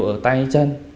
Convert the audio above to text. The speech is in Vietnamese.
ở tay chân